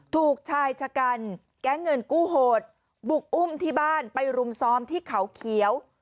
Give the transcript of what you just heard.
ถูกชายชะกันแก๊งเงินกู้โหดบุกอุ้มที่บ้านไปรุมซ้อมที่เขาเขียว